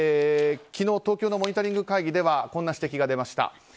昨日東京のモニタリング会議ではこんな指摘が出ました。